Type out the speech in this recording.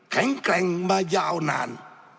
แข็งแกร่งมายาวนาน